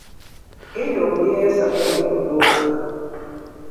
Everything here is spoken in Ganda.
Genda ongulireyo ssabuuni ku dduuka.